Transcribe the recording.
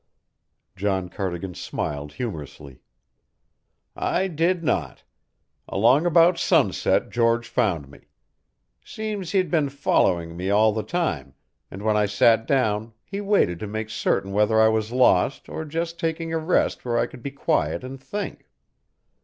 John Cardigan smiled humorously. "I did not. Along about sunset George found me. Seems he'd been following me all the time, and when I sat down he waited to make certain whether I was lost or just taking a rest where I could be quiet and think."